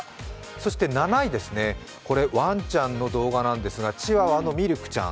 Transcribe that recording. そして７位、ワンちゃんの動画なんですがチワワのみるくちゃん。